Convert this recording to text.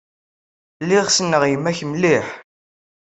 Lliɣ ssneɣ yemma-k mliḥ.